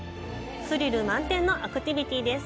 スリル満点のアクティビティです。